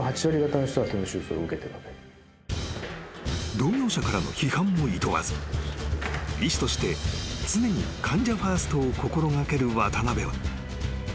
［同業者からの批判もいとわず医師として常に患者ファーストを心掛ける渡邊は］